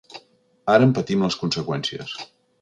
Ara en patim les conseqüències.